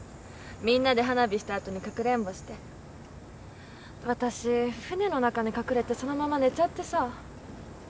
みんなで花火した後にかくれんぼして私船の中に隠れてそのまま寝ちゃってさ。